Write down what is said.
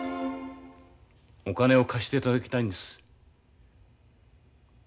お金を貸していただきたいんです。